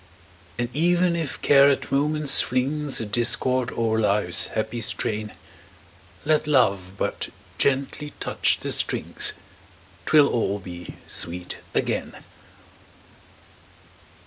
And even if Care at moments flings A discord o'er life's happy strain, Let Love but gently touch the strings, 'Twill all be sweet again!